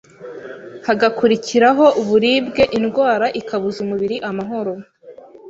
hagakurikiraho uburibwe, indwara ikabuza umubiri amahoro.